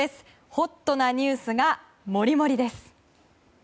ホットなニュースがモリモリです。